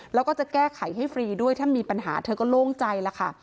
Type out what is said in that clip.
แล้วก็จะแก้ไขให้ฟรีด้วยถ้ามีปัญหาเธอก็โล่งใจแล้วค่ะ